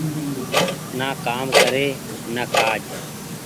نآ ڪآم ڪري نآ ڪآج۔